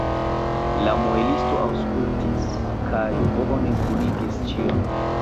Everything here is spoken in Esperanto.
La muelisto aŭskultis kaj bone kunigis ĉion.